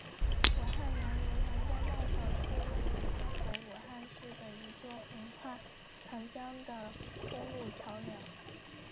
武汉阳逻长江大桥是位于中国武汉市的一座横跨长江的公路桥梁。